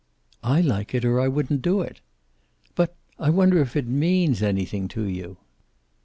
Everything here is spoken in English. "I like it, or I wouldn't do it." "But I wonder if it means anything to you?"